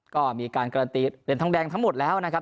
ก็มีการการันตีเหรียญทองแดงทั้งหมดแล้วนะครับ